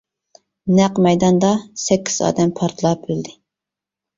نەق مەيداندا سەككىز ئادەم پارتلاپ ئۆلدى.